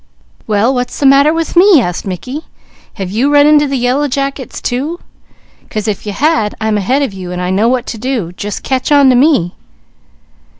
"Well what's the matter with me?" asked Mickey. "Have you run into the yellow jackets too? 'Cause if you have, I'm ahead of you, so I know what to do. Just catch on to me!"